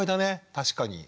確かに。